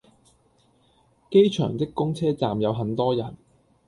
機場的公車站有很多人